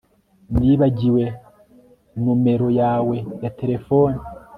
Nibagiwe numero yawe ya terefone